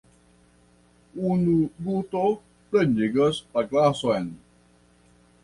Unu guto plenigas la glason.